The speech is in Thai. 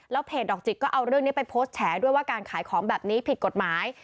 เพจดอกจิกก็เอาเรื่องนี้ไปโพสต์แฉด้วยว่าการขายของแบบนี้ผิดกฎหมาย